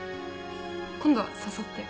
今度は誘ってよ。